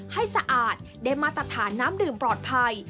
สะอาดได้มาตรฐานน้ำดื่มปลอดภัย